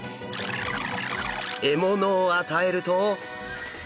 獲物を与えると。